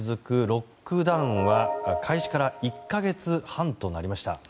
ロックダウンは開始から１か月半となりました。